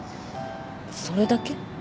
それだけ？